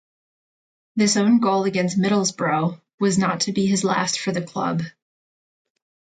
This own goal against Middlesbrough was not to be his last for the club.